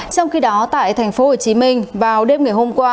trong khi đó tại tp hcm vào đêm ngày hôm qua